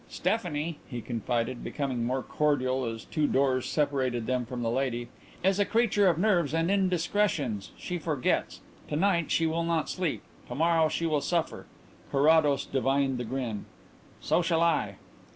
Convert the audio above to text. "Stephanie," he confided, becoming more cordial as two doors separated them from the lady, "is a creature of nerves and indiscretions. She forgets. To night she will not sleep. To morrow she will suffer." Carrados divined the grin. "So shall I!"